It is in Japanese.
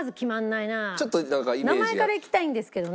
名前からいきたいんですけどね。